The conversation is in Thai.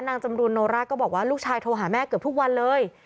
จำรูนโนราก็บอกว่าลูกชายโทรหาแม่เกือบทุกวันเลย